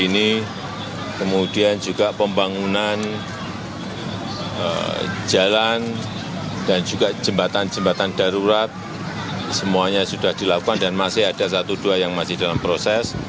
ini kemudian juga pembangunan jalan dan juga jembatan jembatan darurat semuanya sudah dilakukan dan masih ada satu dua yang masih dalam proses